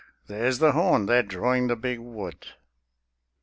there's the horn: they're drawing the Big Wood.